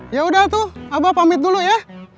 ya udah tuh abah pamit dulu ya